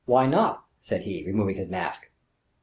"Why not?" said he, removing his mask.